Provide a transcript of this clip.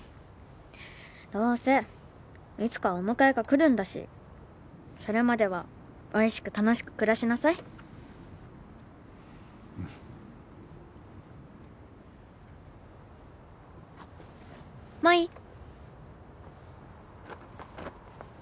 どうせいつかはお迎えが来るんだしそれまではおいしく楽しく暮らしなさいうん麻衣